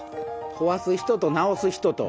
壊す人と治す人と。